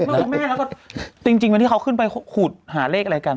คุณแม่เขาก็จริงวันที่เขาขึ้นไปขูดหาเลขอะไรกัน